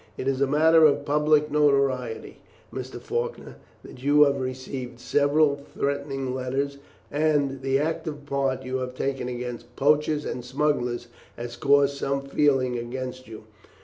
It is a matter of public notoriety, Mr. Faulkner, that you have received several threatening letters, and that the active part you have taken against poachers and smugglers has caused some feeling against you.